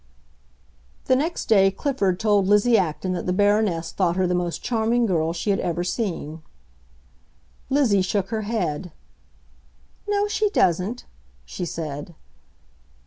The next day Clifford told Lizzie Acton that the Baroness thought her the most charming girl she had ever seen. Lizzie shook her head. "No, she doesn't!" she said.